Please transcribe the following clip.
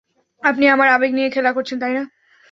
আপনি আমার আবেগ নিয়ে খেলা করছেন, তাই না?